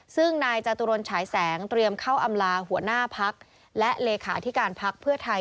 ซึ่งนายจตุรนฉายแสงเตรียมเข้าอำลาหัวหน้าพักและเลขาธิการพักเพื่อไทย